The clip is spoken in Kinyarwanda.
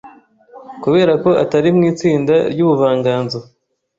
Kubera ko atari mu itsinda ry’ubuvanganzo